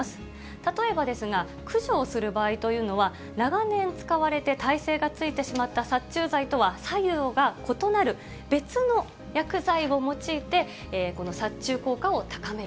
例えばですが、駆除をする場合というのは、長年使われて耐性がついてしまった殺虫剤とは作用が異なる別の薬剤を用いて、殺虫効果を高める。